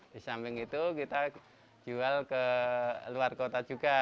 di samping itu kita jual ke luar kota juga